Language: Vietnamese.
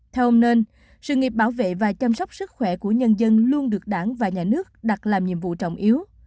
theo ông nên sự nghiệp bảo vệ và chăm sóc sức khỏe của nhân dân luôn được đảng và nhà nước đặt làm nhiệm vụ trọng yếu